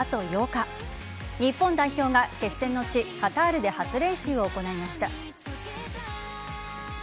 日本代表が決戦の地・カタールで初練習を行いました。